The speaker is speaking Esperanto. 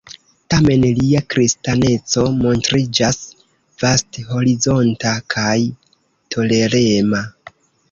Tamen lia kristaneco montriĝas vasthorizonta kaj tolerema.